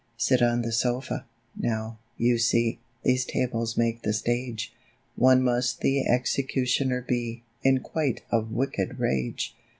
"Sit on the sofa. Now, you see, These tables make the stasre : One must the executioner be, In quite a wicked rage.